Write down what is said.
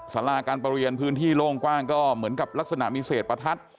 สาราการประเรียนพื้นที่โล่งกว้างก็เหมือนกับลักษณะมีเศษประทัด